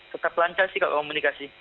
tetap lancar sih komunikasi